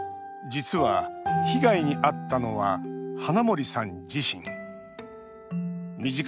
実は、被害にあったのは花森さん自身。